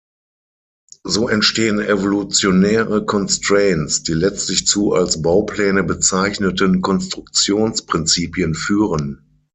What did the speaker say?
So entstehen evolutionäre constraints, die letztlich zu als „Baupläne“ bezeichneten Konstruktionsprinzipien führen.